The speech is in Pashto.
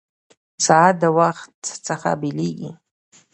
ساعت د وخت څخه پېلېږي.